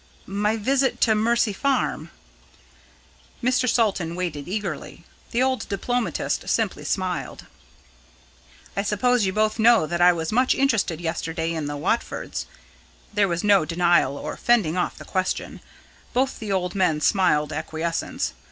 "My visit to Mercy Farm." Mr. Salton waited eagerly. The old diplomatist simply smiled. "I suppose you both know that I was much interested yesterday in the Watfords?" There was no denial or fending off the question. Both the old men smiled acquiescence.